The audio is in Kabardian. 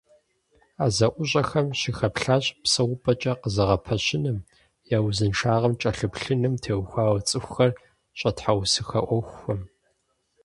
А зэӀущӀэхэм щыхэплъащ псэупӀэкӀэ къызэгъэпэщыным, я узыншагъэм кӀэлъагъэплъыным теухуауэ цӀыхухэр щӀэтхьэусыхэ Ӏуэхухэм.